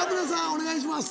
お願いします。